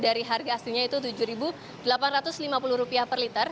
dari harga aslinya itu rp tujuh delapan ratus lima puluh per liter